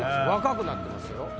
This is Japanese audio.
若くなってますよ。